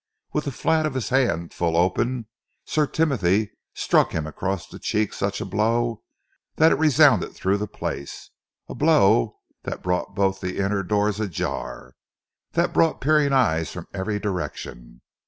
With the flat of his hand full open, Sir Timothy struck him across the cheek such a blow that it resounded through the place, a blow that brought both the inner doors ajar, that brought peering eyes from every direction.